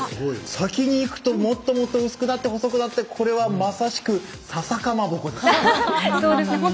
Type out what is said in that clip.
先にいくと、もっともっと薄くなって細くなってこれは、まさしくささかまぼこです。